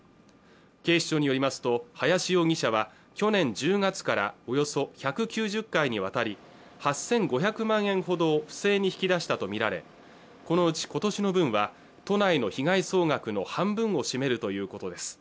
警視庁によりますと林容疑者は去年１０月からおよそ１９０回にわたり８５００万円ほどを不正に引き出したと見られこのうち今年の分は都内の被害総額の半分を占めるということです